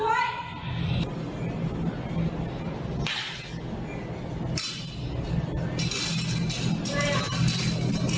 เฮ้้าตายหล่ะ